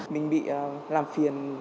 mình bị làm phiền